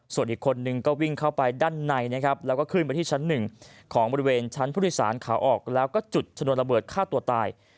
ส่วนอีกคนนึงก็วิ่งเข้าไปด้านในวิวัฒนาและเข้าไปชั้น๑ของบริเวณชั้นพฤษศาลขาออกและจุดชนรบเอิดฆ่าตัวตาย